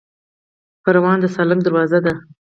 پروان د سالنګ دروازه ده